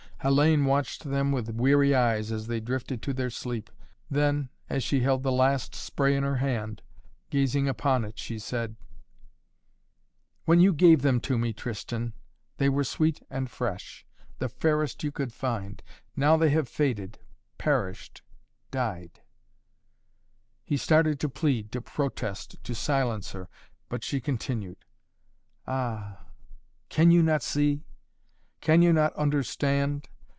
Hellayne watched them with weary eyes as they drifted to their sleep, then, as she held the last spray in her hand, gazing upon it she said: "When you gave them to me, Tristan, they were sweet and fresh, the fairest you could find. Now they have faded, perished, died " He started to plead, to protest, to silence her, but she continued: "Ah! Can you not see? Can you not understand?